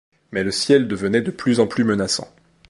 Mais le ciel devenait de plus en plus menaçant.